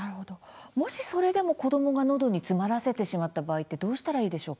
もしそれでも子どもがのどに詰まらせてしまった場合ってどうしたらいいでしょうか。